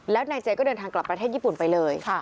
แล้วนายเจก็เดินทางกลับประเทศญี่ปุ่นไปเลย